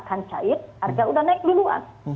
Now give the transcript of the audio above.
akan cair harga udah naik duluan